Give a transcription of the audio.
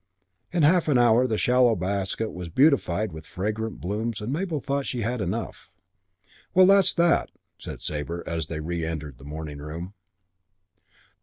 In half an hour the shallow basket was beautified with fragrant blooms and Mabel thought she had enough. "Well, that's that," said Sabre as they reëntered the morning room.